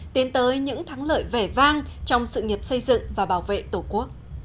tiến tới những thắng lợi vẻ vang trong sự nghiệp xây dựng và bảo vệ tổ quốc